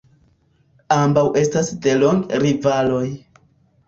Ambaŭ estas delonge rivaloj.